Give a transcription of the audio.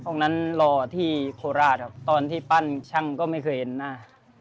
ห้องนั้นรอที่โคราชครับตอนที่ปั้นช่างก็ไม่เคยเห็นหน้า